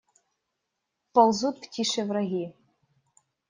Ползут в тиши враги.